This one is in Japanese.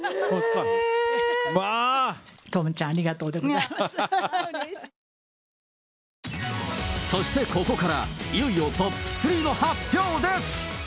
トムちゃん、そしてここから、いよいよトップ３の発表です。